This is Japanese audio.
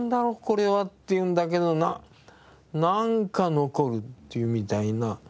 これはっていうのだけどなんか残るっていうみたいな。